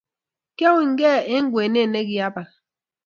Kiaunygei eng' ng'wenet ne kikiabal